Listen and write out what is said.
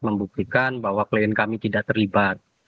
membuktikan bahwa klien kami tidak terlibat